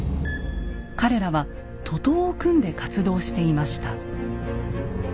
彼らは徒党を組んで活動していました。